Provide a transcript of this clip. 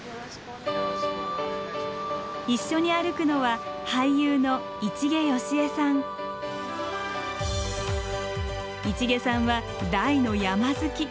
一緒に歩くのは市毛さんは大の山好き。